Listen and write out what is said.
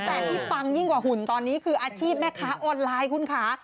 แต่ที่ปังยิ่งกว่าหุ่นตอนนี้คืออาชีพแม่ค้าออนไลน์คุณค่ะ